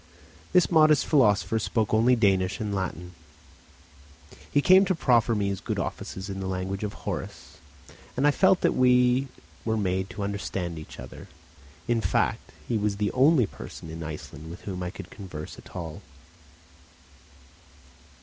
This modest philosopher spoke only Danish and Latin. He came to proffer me his good offices in the language of Horace, and I felt that we were made to understand each other. In fact he was the only person in Iceland with whom I could converse at all.